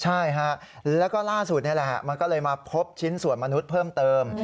ใช่ฮะแล้วก็ล่าสุดนี่แหละมันก็เลยมาพบชิ้นส่วนมนุษย์เพิ่มเติม